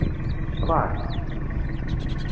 Ɣaṛ!